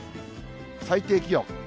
最低気温。